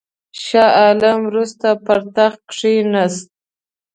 شاه عالم وروسته پر تخت کښېنست.